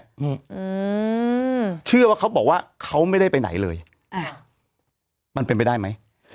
อืมอืมเชื่อว่าเขาบอกว่าเขาไม่ได้ไปไหนเลยอ่ามันเป็นไปได้ไหม